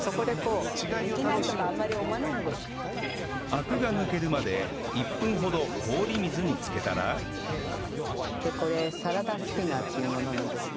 アクが抜けるまで１分ほど氷水に浸けたらでこれサラダスピナーというものなんですが。